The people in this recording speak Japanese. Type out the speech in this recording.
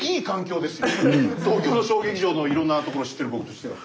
東京の小劇場のいろんなところ知ってる僕としては。